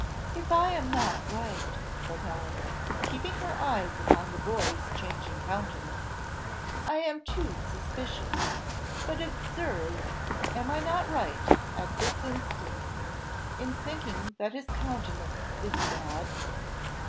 "If I am not right," said Helen, keeping her eyes upon the boy's changing countenance, "I am too suspicious but observe, am I not right, at this instant, in thinking that his countenance is _bad?